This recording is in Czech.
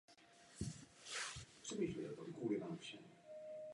Zakladateli mošavu měli být Židé z Íránu.